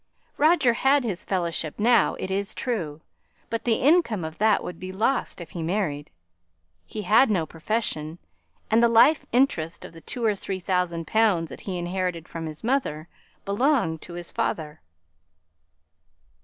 Roger had his Fellowship now, it is true; but the income of that would be lost if he married; he had no profession, and the life interest of the two or three thousand pounds that he inherited from his mother, belonged to his father.